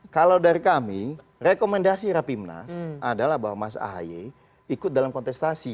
kalau dari kami rekomendasi rapimnas adalah bahwa mas ahy ikut dalam kontestasi